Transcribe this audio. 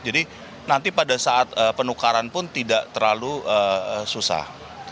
jadi nanti pada saat penukaran pun tidak terlalu susah